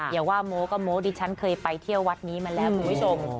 อย่าว่าโม้ก็โม้ดิฉันเคยไปเที่ยววัดนี้มาแล้วคุณผู้ชม